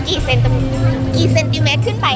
กี่เซนติเมตรขึ้นไป